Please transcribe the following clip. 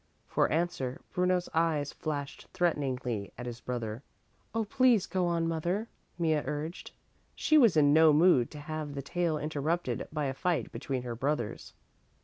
For answer Bruno's eyes flashed threateningly at his brother. "Oh, please go on, mother," Mea urged. She was in no mood to have the tale interrupted by a fight between her brothers.